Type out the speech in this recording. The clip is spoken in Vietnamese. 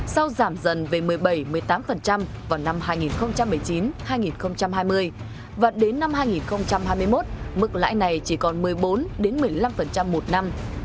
sau giảm dần về một mươi bảy một mươi tám vào năm hai nghìn một mươi chín hai nghìn hai mươi và đến năm hai nghìn hai mươi một mức lãi này chỉ còn một mươi bốn một mươi năm một năm